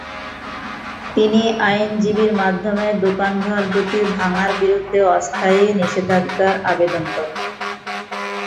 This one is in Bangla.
তিনি আইনজীবীর মাধ্যমে দোকানঘর দুটি ভাঙার বিরুদ্ধে অস্থায়ী নিষেধাজ্ঞার আবেদন করেন।